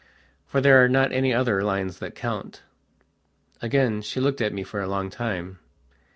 For there are not any other lines that count." Again she looked at me for a long time.